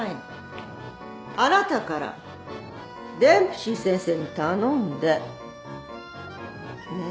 あなたからデンプシー先生に頼んで。ねぇ？